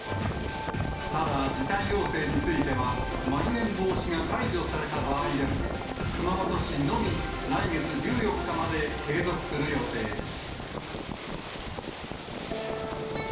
ただ、時短要請については、まん延防止が解除された場合でも、熊本市のみ来月１４日まで継続する予定です。